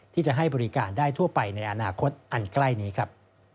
ที่จะให้บริการได้ทั่วไปในอนาคตอันใกล้นี้ครับ